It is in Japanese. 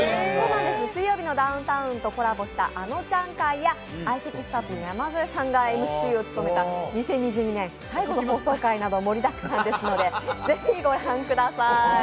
「水曜日のダウンタウン」とコラボした、あのちゃん回や相席スタートの山添さんがＭＣを務めた２０２２年最後の放送回など盛りだくさんですので、ぜひご覧ください。